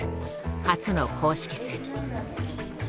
初の公式戦。